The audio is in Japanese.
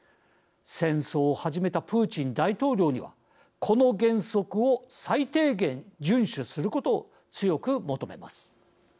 戦争を始めたプーチン大統領にはこの原則を最低限順守することを強く求めます。